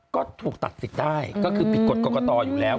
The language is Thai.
ก็ถูกตัดสิทธิ์ได้ก็คือผิดกฎกรกตอยู่แล้ว